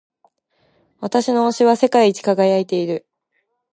私の押しは世界一輝いている。